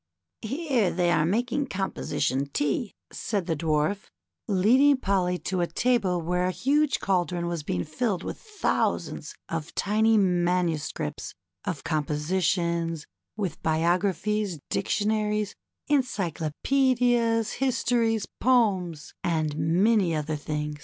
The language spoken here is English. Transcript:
" Here they are making Composition Tea," said the Dwarf, leading Polly to a table where a huge caldron was being filled with thousands of tiny manuscripts of composi tions, with biographies, dictionaries, encyclopaedias, histories, poems, and many other things.